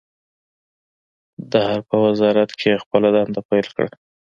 د حرب په وزارت کې يې خپله دنده پیل کړه.